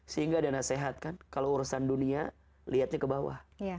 sehingga ada nasihat kan kalau urusan dunia lihatnya ke bawah